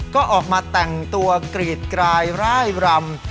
ก็ออกมาแต่งตัวกรีดกรายร่ายรำ